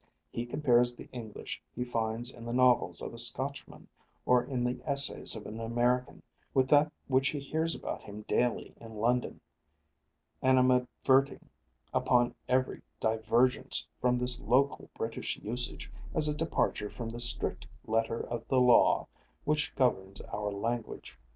He compares the English he finds in the novels of a Scotchman or in the essays of an American with that which he hears about him daily in London, animadverting upon every divergence from this local British usage as a departure from the strict letter of the law which governs our language.